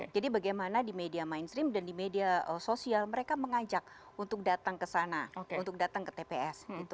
jadi bagaimana di media mainstream dan di media sosial mereka mengajak untuk datang ke sana untuk datang ke tps